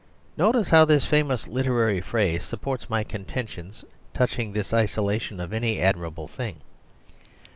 Notice how this famous literary phrase supports my contention touching this isolation of any admirable thing.